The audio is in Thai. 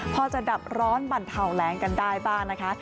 พอจะดับร้อนบรรเทาแรงกันได้บ้างนะคะ